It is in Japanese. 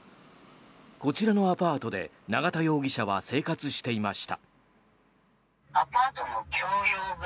こちらのアパートで永田容疑者は生活していました。